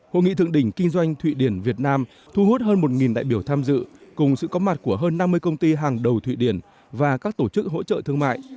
hội nghị thượng đỉnh kinh doanh thụy điển việt nam thu hút hơn một đại biểu tham dự cùng sự có mặt của hơn năm mươi công ty hàng đầu thụy điển và các tổ chức hỗ trợ thương mại